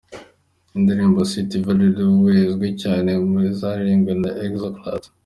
Indirimbo "Si tu veux le louer" izwi cyane mu zaririmbwe na Exo Eclats.